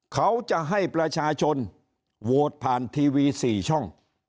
เขาจะให้ประชาชนโหวตผ่านทีวี๔ช่อง